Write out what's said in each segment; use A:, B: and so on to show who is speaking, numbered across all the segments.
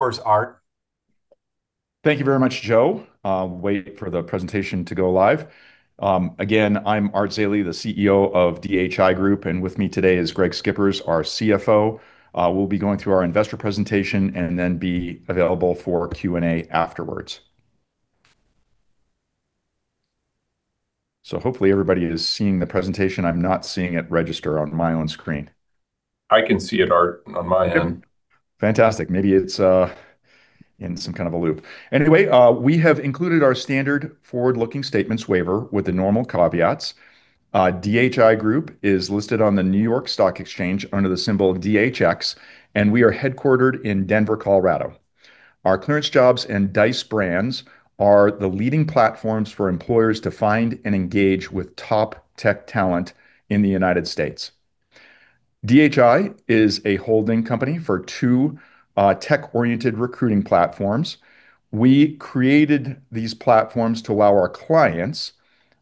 A: Of course, Art.
B: Thank you very much, Joe. Waiting for the presentation to go live. Again, I'm Art Zeile, the CEO of DHI Group, and with me today is Greg Scapas, our CFO. We'll be going through our investor presentation and then be available for Q&A afterwards. So hopefully everybody is seeing the presentation. I'm not seeing it register on my own screen.
C: I can see it, Art, on my end.
B: Fantastic! Maybe it's in some kind of a loop. Anyway, we have included our standard forward-looking statements waiver with the normal caveats. DHI Group is listed on the New York Stock Exchange under the symbol of DHX, and we are headquartered in Denver, Colorado. Our ClearanceJobs and Dice brands are the leading platforms for employers to find and engage with top tech talent in the United States. DHI is a holding company for two tech-oriented recruiting platforms. We created these platforms to allow our clients,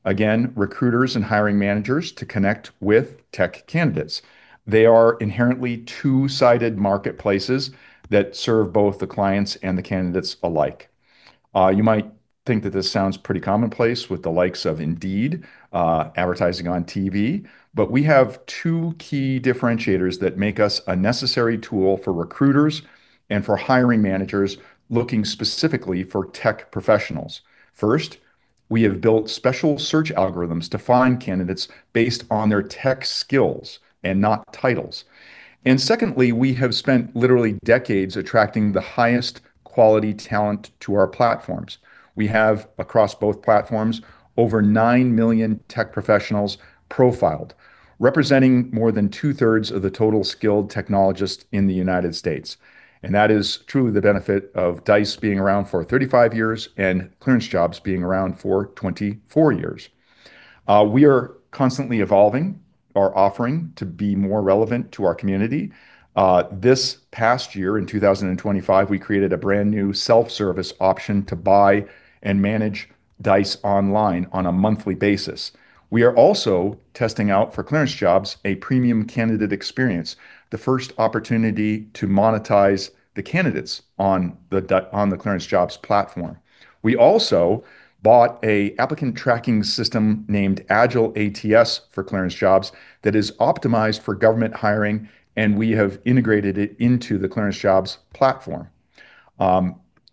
B: again, recruiters and hiring managers, to connect with tech candidates. They are inherently two-sided marketplaces that serve both the clients and the candidates alike. You might think that this sounds pretty commonplace with the likes of Indeed advertising on TV, but we have two key differentiators that make us a necessary tool for recruiters and for hiring managers looking specifically for tech professionals. First, we have built special search algorithms to find candidates based on their tech skills and not titles. And secondly, we have spent literally decades attracting the highest quality talent to our platforms. We have, across both platforms, over 9 million tech professionals profiled, representing more than two-thirds of the total skilled technologists in the United States, and that is truly the benefit of Dice being around for 35 years and ClearanceJobs being around for 24 years. We are constantly evolving our offering to be more relevant to our community. This past year, in 2025, we created a brand-new self-service option to buy and manage Dice online on a monthly basis. We are also testing out, for ClearanceJobs, a premium candidate experience, the first opportunity to monetize the candidates on the ClearanceJobs platform. We also bought an applicant tracking system named Agile ATS for ClearanceJobs that is optimized for government hiring, and we have integrated it into the ClearanceJobs platform.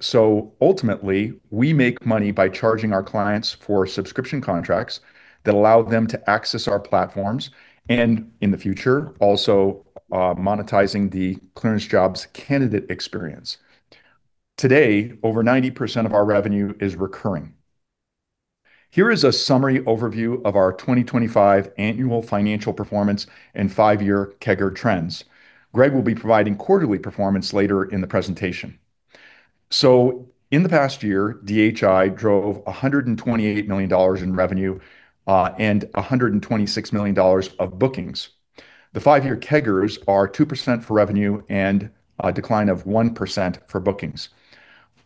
B: So ultimately, we make money by charging our clients for subscription contracts that allow them to access our platforms, and in the future, also, monetizing the ClearanceJobs candidate experience. Today, over 90% of our revenue is recurring. Here is a summary overview of our 2025 annual financial performance and five-year CAGR trends. Greg will be providing quarterly performance later in the presentation. So in the past year, DHI drove $128 million in revenue, and $126 million of bookings. The five-year CAGRs are 2% for revenue and a decline of 1% for bookings.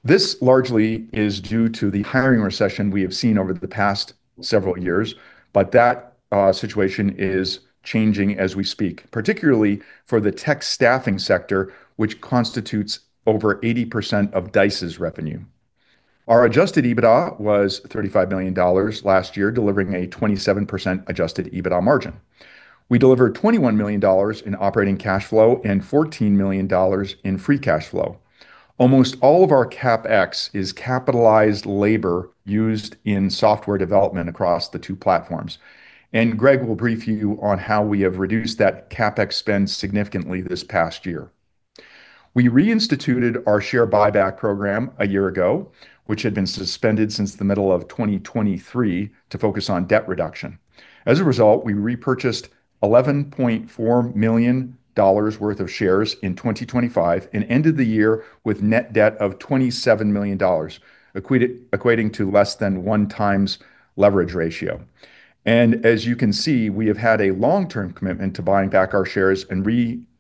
B: This largely is due to the hiring recession we have seen over the past several years, but that situation is changing as we speak, particularly for the tech staffing sector, which constitutes over 80% of Dice's revenue. Our Adjusted EBITDA was $35 million last year, delivering a 27% Adjusted EBITDA margin. We delivered $21 million in operating cash flow and $14 million in free cash flow. Almost all of our CapEx is capitalized labor used in software development across the two platforms, and Greg will brief you on how we have reduced that CapEx spend significantly this past year. We reinstituted our share buyback program a year ago, which had been suspended since the middle of 2023, to focus on debt reduction. As a result, we repurchased $11.4 million worth of shares in 2025 and ended the year with net debt of $27 million, equating to less than 1x Leverage Ratio. And as you can see, we have had a long-term commitment to buying back our shares and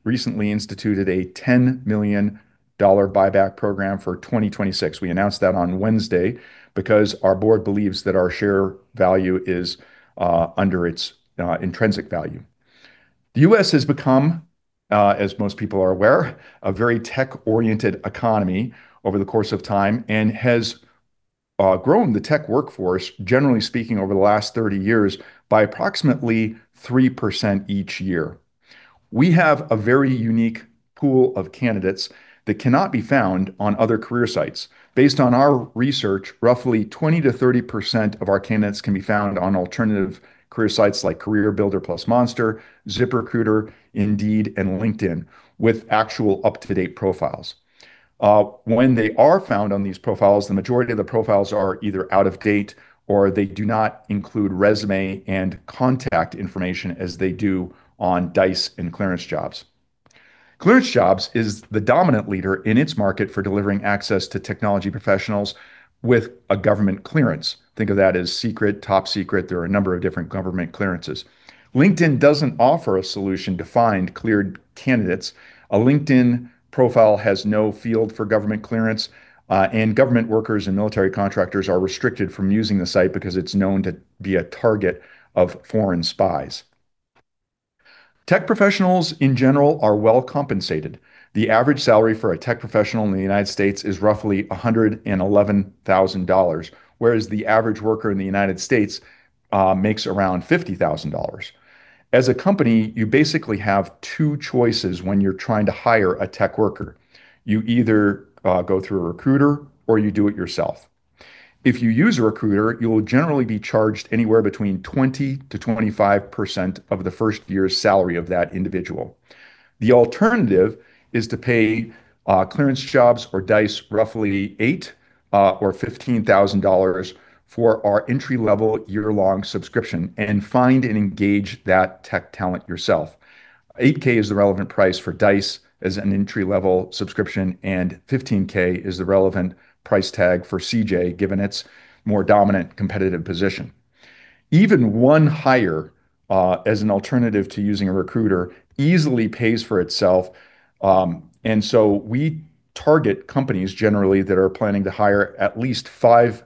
B: recently instituted a $10 million buyback program for 2026. We announced that on Wednesday because our board believes that our share value is under its intrinsic value. The U.S. has become, as most people are aware, a very tech-oriented economy over the course of time and has grown the tech workforce, generally speaking, over the last 30 years by approximately 3% each year. We have a very unique pool of candidates that cannot be found on other career sites. Based on our research, roughly 20%-30% of our candidates can be found on alternative career sites like CareerBuilder plus Monster, ZipRecruiter, Indeed and LinkedIn, with actual up-to-date profiles. When they are found on these profiles, the majority of the profiles are either out of date or they do not include resume and contact information as they do on Dice and ClearanceJobs. ClearanceJobs is the dominant leader in its market for delivering access to technology professionals with a government clearance. Think of that as secret, top secret. There are a number of different government clearances. LinkedIn doesn't offer a solution to find cleared candidates. A LinkedIn profile has no field for government clearance, and government workers and military contractors are restricted from using the site because it's known to be a target of foreign spies. Tech professionals, in general, are well compensated. The average salary for a tech professional in the United States is roughly $111,000, whereas the average worker in the United States makes around $50,000. As a company, you basically have two choices when you're trying to hire a tech worker. You either go through a recruiter or you do it yourself. If you use a recruiter, you will generally be charged anywhere between 20%-25% of the first year's salary of that individual. The alternative is to pay ClearanceJobs or Dice roughly $8,000 or $15,000 for our entry-level year-long subscription and find and engage that tech talent yourself. $8K is the relevant price for Dice as an entry-level subscription, and $15K is the relevant price tag for CJ, given its more dominant competitive position. Even one hire as an alternative to using a recruiter easily pays for itself. So we target companies generally that are planning to hire at least five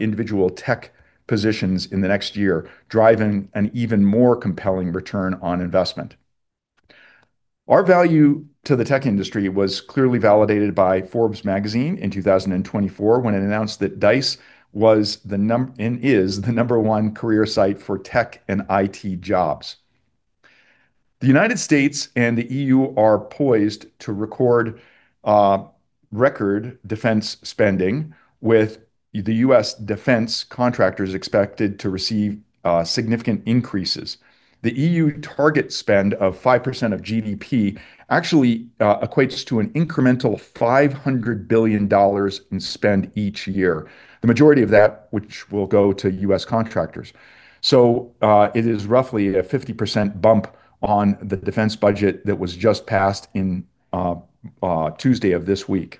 B: individual tech positions in the next year, driving an even more compelling return on investment. Our value to the tech industry was clearly validated by Forbes Magazine in 2024 when it announced that Dice was the number one career site for tech and IT jobs. The United States and the EU are poised to record record defense spending, with the U.S. defense contractors expected to receive significant increases. The EU target spend of 5% of GDP actually equates to an incremental $500 billion in spend each year, the majority of that, which will go to U.S. contractors. So, it is roughly a 50% bump on the defense budget that was just passed in Tuesday of this week.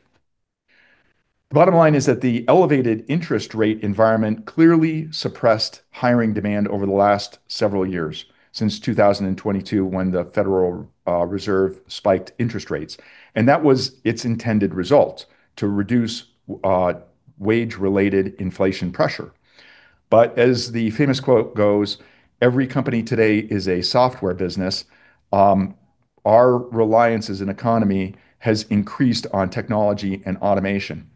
B: The bottom line is that the elevated interest rate environment clearly suppressed hiring demand over the last several years, since 2022, when the Federal Reserve spiked interest rates, and that was its intended result, to reduce wage-related inflation pressure. But as the famous quote goes, "Every company today is a software business." Our reliance as an economy has increased on technology and automation.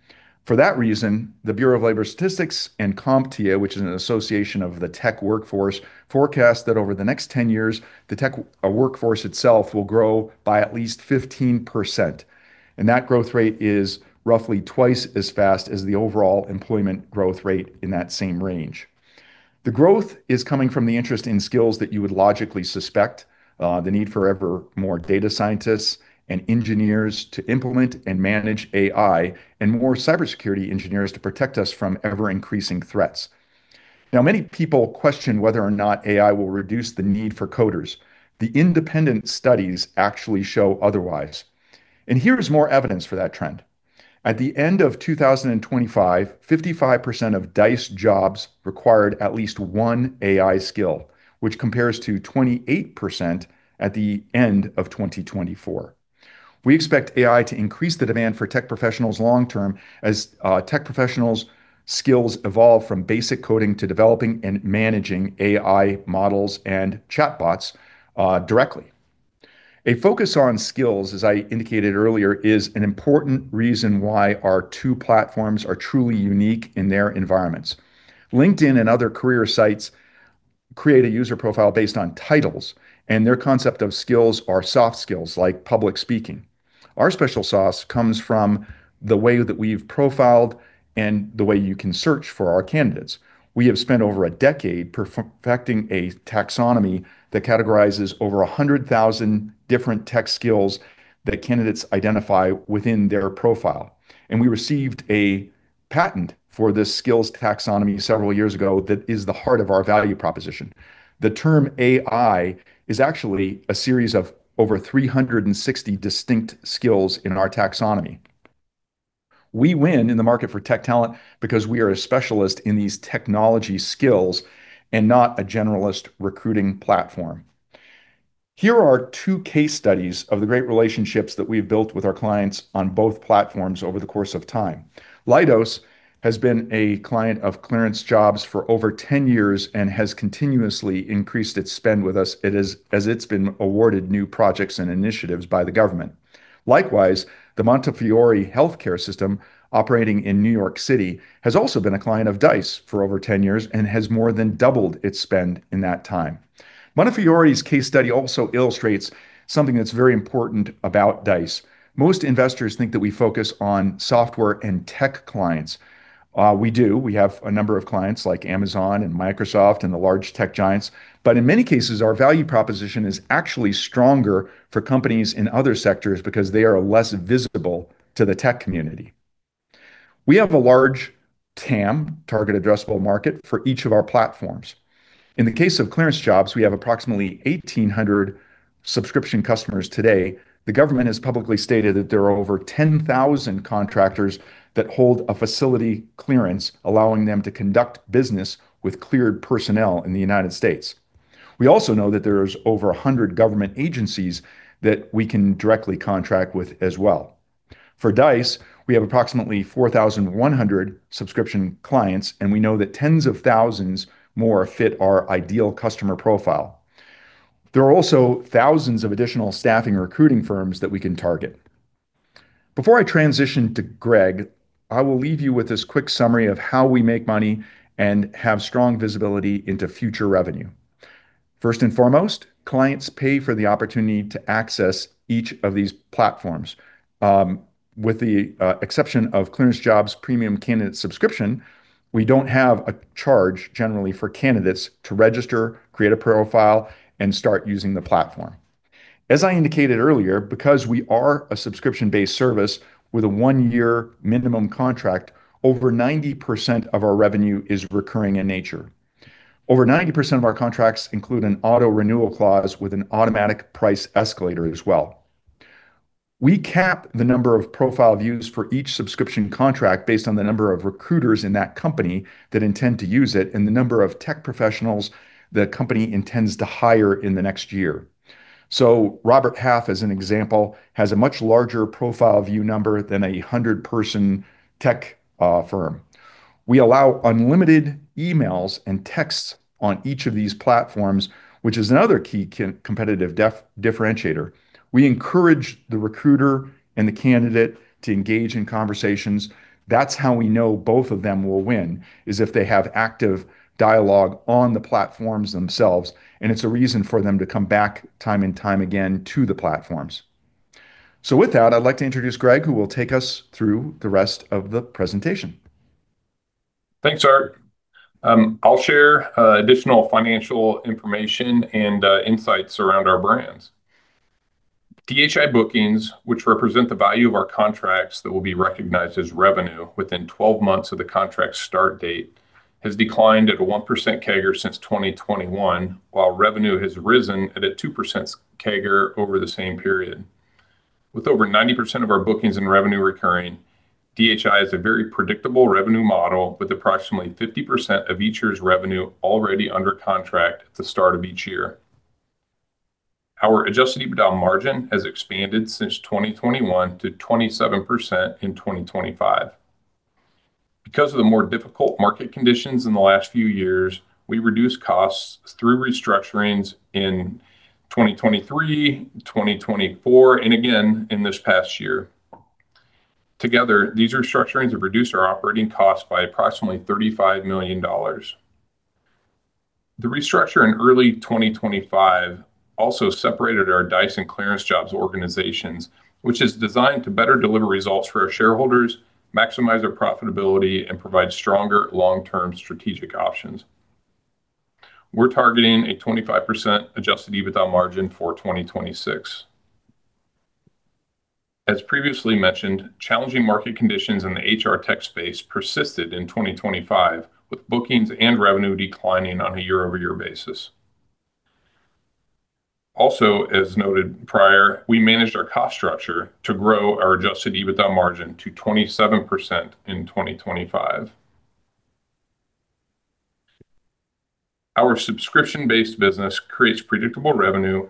B: For that reason, the Bureau of Labor Statistics and CompTIA, which is an association of the tech workforce, forecast that over the next 10 years, the tech workforce itself will grow by at least 15%, and that growth rate is roughly twice as fast as the overall employment growth rate in that same range. The growth is coming from the interest in skills that you would logically suspect, the need for ever more data scientists and engineers to implement and manage AI, and more cybersecurity engineers to protect us from ever-increasing threats. Now, many people question whether or not AI will reduce the need for coders. The independent studies actually show otherwise, and here is more evidence for that trend. At the end of 2025, 55% of Dice jobs required at least one AI skill, which compares to 28% at the end of 2024. We expect AI to increase the demand for tech professionals long term, as tech professionals' skills evolve from basic coding to developing and managing AI models and chatbots directly. A focus on skills, as I indicated earlier, is an important reason why our two platforms are truly unique in their environments. LinkedIn and other career sites create a user profile based on titles, and their concept of skills are soft skills, like public speaking. Our special sauce comes from the way that we've profiled and the way you can search for our candidates. We have spent over a decade perfecting a taxonomy that categorizes over 100,000 different tech skills that candidates identify within their profile, and we received a patent for this skills taxonomy several years ago that is the heart of our value proposition. The term AI is actually a series of over 360 distinct skills in our taxonomy. We win in the market for tech talent because we are a specialist in these technology skills and not a generalist recruiting platform. Here are two case studies of the great relationships that we've built with our clients on both platforms over the course of time. Leidos has been a client of ClearanceJobs for over 10 years and has continuously increased its spend with us, as it's been awarded new projects and initiatives by the government. Likewise, the Montefiore Health System, operating in New York City, has also been a client of Dice for over 10 years and has more than doubled its spend in that time. Montefiore's case study also illustrates something that's very important about Dice. Most investors think that we focus on software and tech clients. We do. We have a number of clients like Amazon and Microsoft and the large tech giants, but in many cases, our value proposition is actually stronger for companies in other sectors because they are less visible to the tech community. We have a large TAM, target addressable market, for each of our platforms. In the case of ClearanceJobs, we have approximately 1,800 subscription customers today. The government has publicly stated that there are over 10,000 contractors that hold a facility clearance, allowing them to conduct business with cleared personnel in the United States. We also know that there's over 100 government agencies that we can directly contract with as well. For Dice, we have approximately 4,100 subscription clients, and we know that tens of thousands more fit our ideal customer profile. There are also thousands of additional staffing recruiting firms that we can target. Before I transition to Greg, I will leave you with this quick summary of how we make money and have strong visibility into future revenue. First and foremost, clients pay for the opportunity to access each of these platforms. With the exception of ClearanceJobs premium candidate subscription, we don't have a charge generally for candidates to register, create a profile, and start using the platform. As I indicated earlier, because we are a subscription-based service with a one-year minimum contract, over 90% of our revenue is recurring in nature. Over 90% of our contracts include an auto renewal clause with an automatic price escalator as well. We cap the number of profile views for each subscription contract based on the number of recruiters in that company that intend to use it, and the number of tech professionals the company intends to hire in the next year. So Robert Half, as an example, has a much larger profile view number than a 100-person tech firm. We allow unlimited emails and texts on each of these platforms, which is another key competitive differentiator. We encourage the recruiter and the candidate to engage in conversations. That's how we know both of them will win, is if they have active dialogue on the platforms themselves, and it's a reason for them to come back time and time again to the platforms. So with that, I'd like to introduce Greg, who will take us through the rest of the presentation.
C: Thanks, Art. I'll share additional financial information and insights around our brands. DHI bookings, which represent the value of our contracts that will be recognized as revenue within 12 months of the contract start date, has declined at a 1% CAGR since 2021, while revenue has risen at a 2% CAGR over the same period. With over 90% of our bookings and revenue recurring, DHI is a very predictable revenue model, with approximately 50% of each year's revenue already under contract at the start of each year. Our Adjusted EBITDA margin has expanded since 2021 to 27% in 2025. Because of the more difficult market conditions in the last few years, we reduced costs through restructurings in 2023, 2024, and again in this past year. Together, these restructurings have reduced our operating costs by approximately $35 million. The restructure in early 2025 also separated our Dice and ClearanceJobs organizations, which is designed to better deliver results for our shareholders, maximize their profitability, and provide stronger long-term strategic options. We're targeting a 25% Adjusted EBITDA margin for 2026. As previously mentioned, challenging market conditions in the HR tech space persisted in 2025, with bookings and revenue declining on a year-over-year basis. Also, as noted prior, we managed our cost structure to grow our Adjusted EBITDA margin to 27% in 2025. Our subscription-based business creates predictable revenue,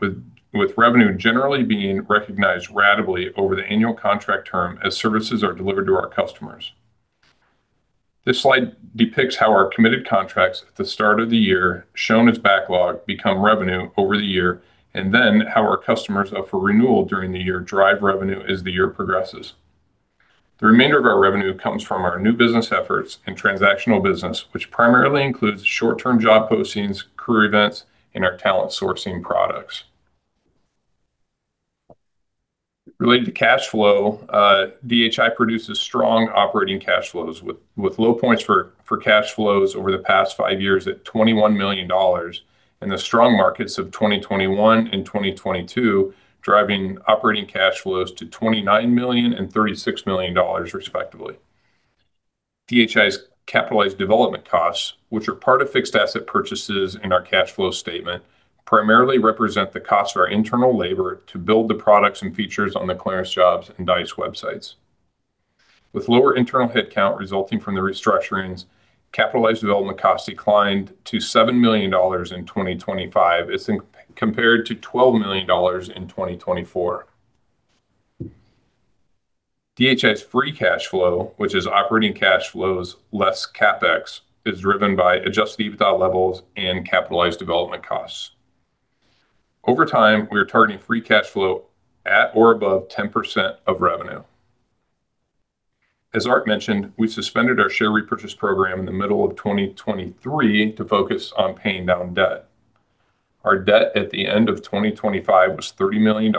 C: with revenue generally being recognized ratably over the annual contract term as services are delivered to our customers. This slide depicts how our committed contracts at the start of the year, shown as backlog, become revenue over the year, and then how our customers up for renewal during the year drive revenue as the year progresses. The remainder of our revenue comes from our new business efforts and transactional business, which primarily includes short-term job postings, career events, and our talent sourcing products. Related to cash flow, DHI produces strong operating cash flows, with low points for cash flows over the past five years at $21 million, and the strong markets of 2021 and 2022, driving operating cash flows to $29 million and $36 million, respectively. DHI's capitalized development costs, which are part of fixed asset purchases in our cash flow statement, primarily represent the cost of our internal labor to build the products and features on the ClearanceJobs and Dice websites. With lower internal headcount resulting from the restructurings, capitalized development costs declined to $7 million in 2025, compared to $12 million in 2024. DHI's free cash flow, which is operating cash flows less CapEx, is driven by adjusted EBITDA levels and capitalized development costs. Over time, we are targeting free cash flow at or above 10% of revenue. As Art mentioned, we suspended our share repurchase program in the middle of 2023 to focus on paying down debt. Our debt at the end of 2025 was $30 million,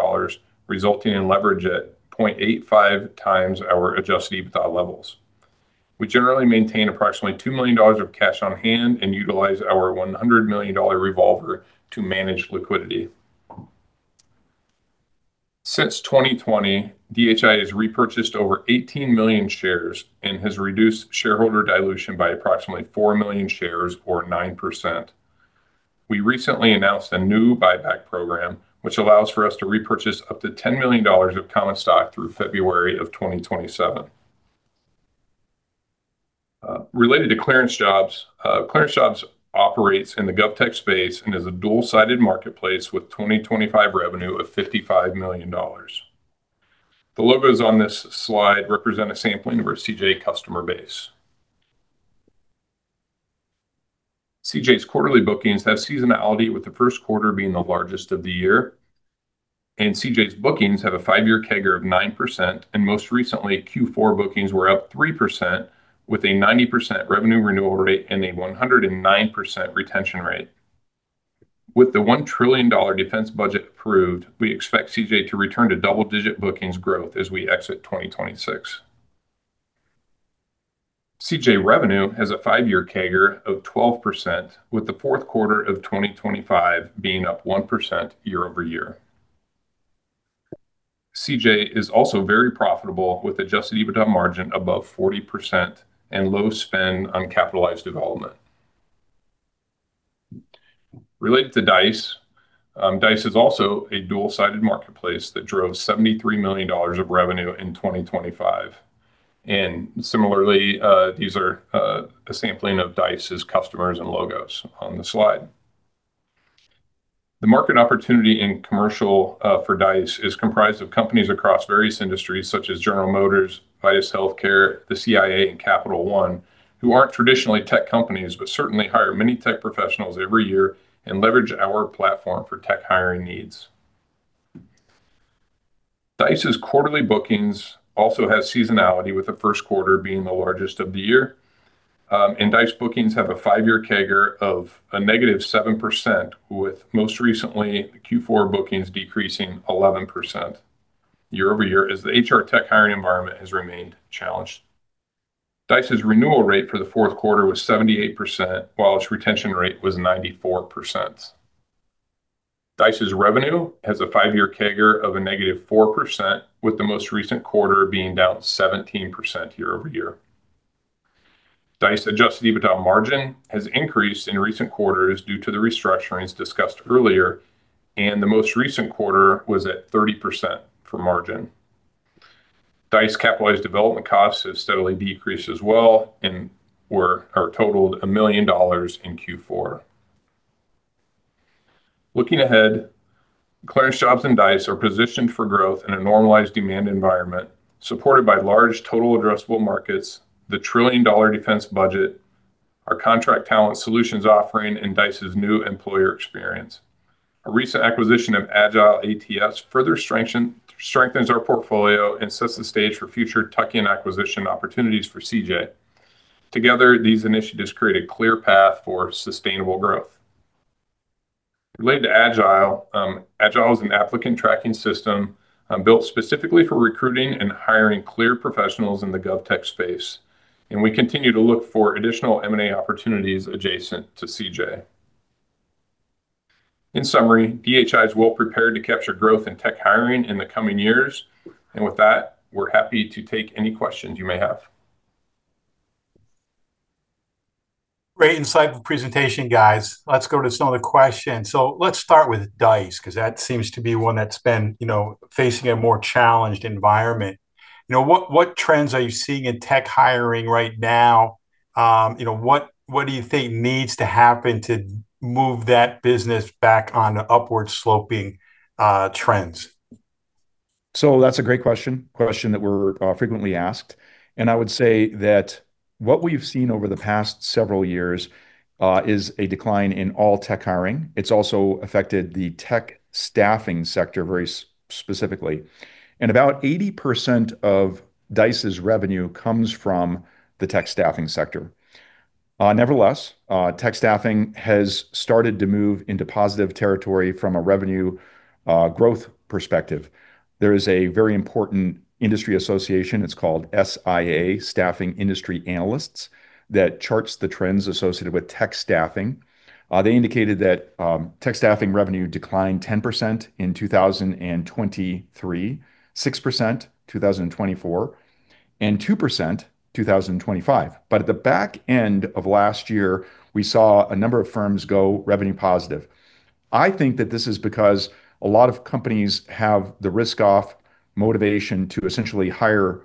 C: resulting in leverage at 0.85 times our adjusted EBITDA levels. We generally maintain approximately $2 million of cash on hand and utilize our $100 million revolver to manage liquidity. Since 2020, DHI has repurchased over 18 million shares and has reduced shareholder dilution by approximately 4 million shares or 9%. We recently announced a new buyback program, which allows for us to repurchase up to $10 million of common stock through February of 2027, related to ClearanceJobs. ClearanceJobs operates in the gov tech space and is a dual-sided marketplace with 2025 revenue of $55 million. The logos on this slide represent a sampling of our CJ customer base. CJ's quarterly bookings have seasonality, with the first quarter being the largest of the year, and CJ's bookings have a five-year CAGR of 9%, and most recently, Q4 bookings were up 3%, with a 90% revenue renewal rate and a 109% retention rate. With the $1 trillion defense budget approved, we expect CJ to return to double-digit bookings growth as we exit 2026. CJ revenue has a five-year CAGR of 12%, with the fourth quarter of 2025 being up 1% year-over-year. CJ is also very profitable, with Adjusted EBITDA margin above 40% and low spend on capitalized development. Related to Dice, Dice is also a dual-sided marketplace that drove $73 million of revenue in 2025, and similarly, these are a sampling of Dice's customers and logos on the slide. The market opportunity in commercial for Dice is comprised of companies across various industries, such as General Motors, Vitas Healthcare, the CIA, and Capital One, who aren't traditionally tech companies, but certainly hire many tech professionals every year and leverage our platform for tech hiring needs. Dice's quarterly bookings also have seasonality, with the first quarter being the largest of the year. And Dice bookings have a five-year CAGR of -7%, with most recently, Q4 bookings decreasing 11% year-over-year as the HR tech hiring environment has remained challenged. Dice's renewal rate for the fourth quarter was 78%, while its retention rate was 94%. Dice's revenue has a five-year CAGR of -4%, with the most recent quarter being down 17% year-over-year. Dice adjusted EBITDA margin has increased in recent quarters due to the restructurings discussed earlier, and the most recent quarter was at 30% for margin. Dice capitalized development costs have steadily decreased as well and were or totaled $1 million in Q4. Looking ahead, ClearanceJobs and Dice are positioned for growth in a normalized demand environment, supported by large total addressable markets, the trillion-dollar defense budget, our contract talent solutions offering, and Dice's new employer experience. A recent acquisition of Agile ATS further strengthen, strengthens our portfolio and sets the stage for future tuck-in acquisition opportunities for CJ. Together, these initiatives create a clear path for sustainable growth. Related to Agile, Agile is an applicant tracking system, built specifically for recruiting and hiring clear professionals in the gov tech space, and we continue to look for additional M&A opportunities adjacent to CJ. In summary, DHI is well prepared to capture growth in tech hiring in the coming years, and with that, we're happy to take any questions you may have.
A: Great insightful presentation, guys. Let's go to some of the questions. Let's start with Dice, because that seems to be one that's been, you know, facing a more challenged environment. You know, what, what trends are you seeing in tech hiring right now? You know, what, what do you think needs to happen to move that business back on to upward-sloping trends?
B: So that's a great question, question that we're frequently asked, and I would say that what we've seen over the past several years is a decline in all tech hiring. It's also affected the tech staffing sector very specifically, and about 80% of Dice's revenue comes from the tech staffing sector. Nevertheless, tech staffing has started to move into positive territory from a revenue growth perspective. There is a very important industry association, it's called SIA, Staffing Industry Analysts, that charts the trends associated with tech staffing. They indicated that tech staffing revenue declined 10% in 2023, 6% in 2024, and 2% in 2025. But at the back end of last year, we saw a number of firms go revenue positive. I think that this is because a lot of companies have the risk-off motivation to essentially hire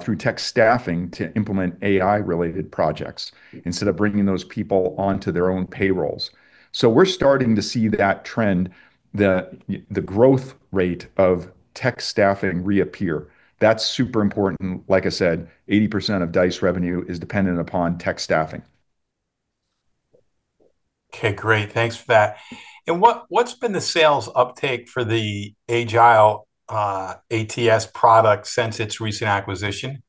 B: through tech staffing to implement AI-related projects, instead of bringing those people onto their own payrolls. So we're starting to see that trend, the growth rate of tech staffing reappear. That's super important. Like I said, 80% of Dice revenue is dependent upon tech staffing.
A: Okay, great. Thanks for that. And what, what's been the sales uptake for the Agile, ATS product since its recent acquisition?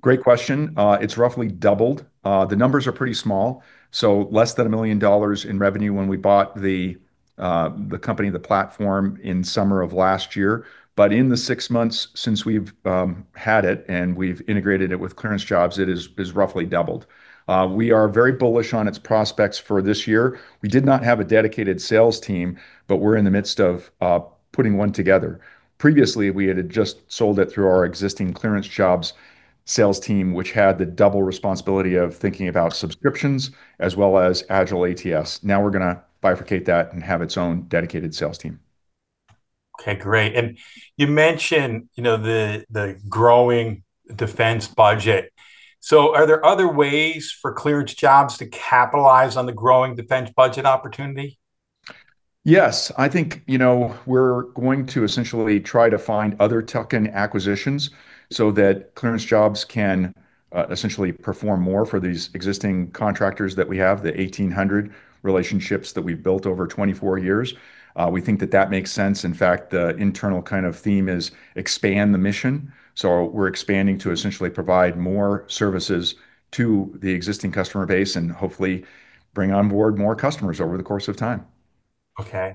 B: Great question. It's roughly doubled. The numbers are pretty small, so less than $1 million in revenue when we bought the company, the platform, in summer of last year. But in the six months since we've had it, and we've integrated it with ClearanceJobs, it has roughly doubled. We are very bullish on its prospects for this year. We did not have a dedicated sales team, but we're in the midst of putting one together. Previously, we had just sold it through our existing ClearanceJobs sales team, which had the double responsibility of thinking about subscriptions as well as Agile ATS. Now, we're gonna bifurcate that and have its own dedicated sales team.
A: Okay, great. And you mentioned, you know, the growing defense budget. So are there other ways for ClearanceJobs to capitalize on the growing defense budget opportunity?
B: Yes. I think, you know, we're going to essentially try to find other tuck-in acquisitions so that ClearanceJobs can essentially perform more for these existing contractors that we have, the 1,800 relationships that we've built over 24 years. We think that that makes sense. In fact, the internal kind of theme is expand the mission, so we're expanding to essentially provide more services to the existing customer base and hopefully bring on board more customers over the course of time.
A: Okay.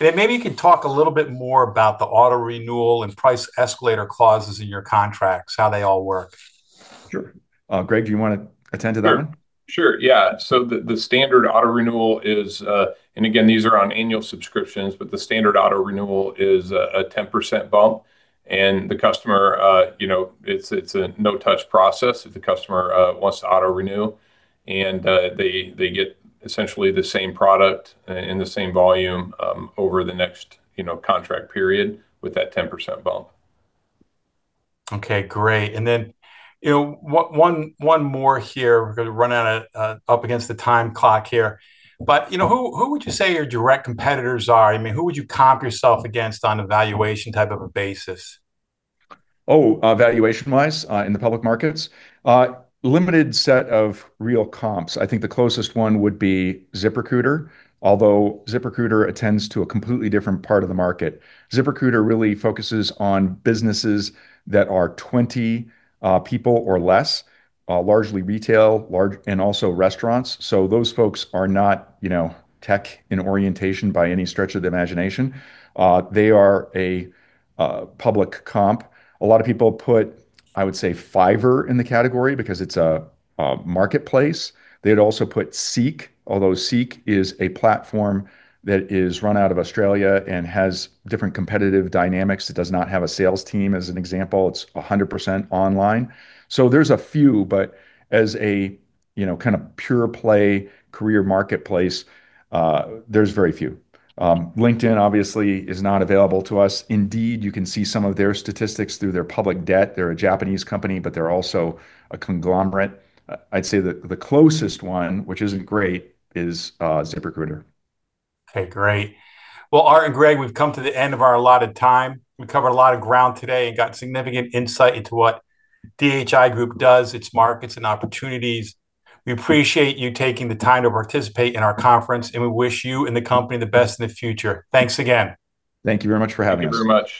A: Maybe you could talk a little bit more about the auto renewal and price escalator clauses in your contracts, how they all work?
B: Sure. Greg, do you want to attend to that one?
C: Sure. Sure, yeah. So the standard auto renewal is. And again, these are on annual subscriptions, but the standard auto renewal is a 10% bump. And the customer, you know, it's a no-touch process if the customer wants to auto renew, and they get essentially the same product, and the same volume, over the next, you know, contract period with that 10% bump.
A: Okay, great. And then, you know, one more here. We're up against the time clock here. But, you know, who would you say your direct competitors are? I mean, who would you comp yourself against on a valuation type of a basis?
B: Valuation-wise, in the public markets? Limited set of real comps. I think the closest one would be ZipRecruiter, although ZipRecruiter attends to a completely different part of the market. ZipRecruiter really focuses on businesses that are 20 people or less, largely retail, large- and also restaurants. So those folks are not, you know, tech in orientation by any stretch of the imagination. They are a public comp. A lot of people put, I would say, Fiverr in the category, because it's a marketplace. They'd also put SEEK, although SEEK is a platform that is run out of Australia and has different competitive dynamics. It does not have a sales team as an example. It's 100% online. So there's a few, but as a, you know, kind of pure play career marketplace, there's very few. LinkedIn obviously is not available to us. Indeed, you can see some of their statistics through their public debt. They're a Japanese company, but they're also a conglomerate. I'd say the closest one, which isn't great, is ZipRecruiter.
A: Okay, great. Well, Art and Greg, we've come to the end of our allotted time. We covered a lot of ground today and got significant insight into what DHI Group does, its markets, and opportunities. We appreciate you taking the time to participate in our conference, and we wish you and the company the best in the future. Thanks again.
B: Thank you very much for having us.
C: Thank you very much.